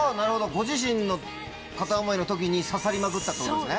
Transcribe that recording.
ご自身の片思いの時に刺さりまくったってことですね。